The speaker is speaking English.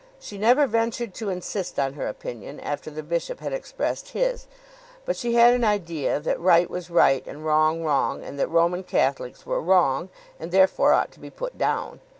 She never ventured to insist on her opinion after the bishop had expressed his; but she had an idea that right was right, and wrong wrong, and that Roman Catholics were wrong, and therefore ought to be put down.